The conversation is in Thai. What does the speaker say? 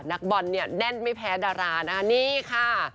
นักบอลเนี่ยแน่นไม่แพ้ดารานะคะนี่ค่ะ